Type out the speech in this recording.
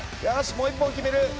もう一本決める！